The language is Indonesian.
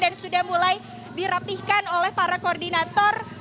dan sudah mulai dirapihkan oleh para koordinator